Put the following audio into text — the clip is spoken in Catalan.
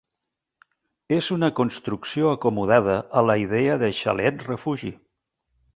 És una construcció acomodada a la idea de Xalet-Refugi.